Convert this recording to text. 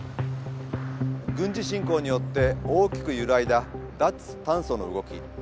軍事侵攻によって大きく揺らいだ脱炭素の動き。